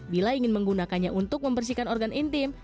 bila ingin menggunakannya untuk membersihkan organ intim